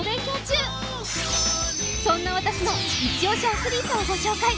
そんな私の一押しアスリートをご紹介。